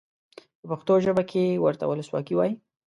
په پښتو ژبه کې ورته ولسواکي وایي.